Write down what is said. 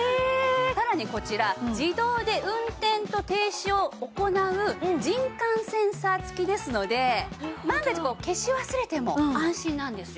さらにこちら自動で運転と停止を行う人感センサー付きですので万が一こう消し忘れても安心なんですよ。